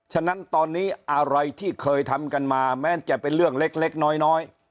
ฉะนั้นตอนนี้อะไรที่เคยทำกันมาแม้จะเป็นเรื่องเล็กน้อย